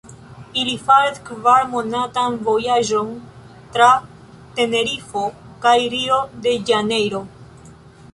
Ili faris kvar-monatan vojaĝon tra Tenerifo kaj Rio-de-Ĵanejro.